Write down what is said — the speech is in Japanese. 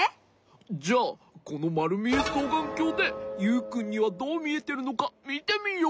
じゃこのまるみえそうがんきょうでユウくんにはどうみえてるのかみてみよう。